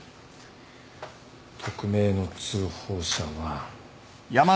匿名の通報者は。